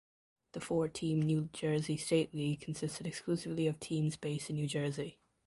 The four–team New Jersey State League consisted exclusively of teams based in New Jersey.